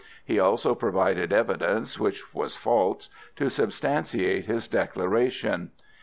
He also provided evidence, which was false, to substantiate his declaration.